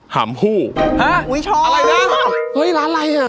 หามผู้ฮะอุ้ยช้ออะไรนะเฮ้ยร้านอะไรอ่ะ